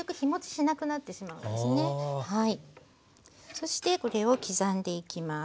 そしてこれを刻んでいきます。